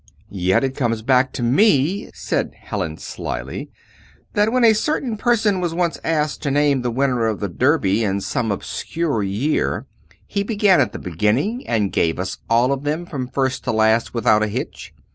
"Yet it comes back to me," said Hallin, slily, "that when a certain person was once asked to name the winner of the Derby in some obscure year, he began at the beginning, and gave us all of them, from first to last, without a hitch."